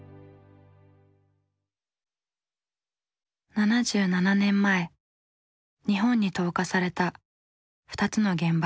７７年前日本に投下された２つの原爆。